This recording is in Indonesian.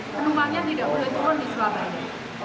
penumpangnya tidak boleh turun di surabaya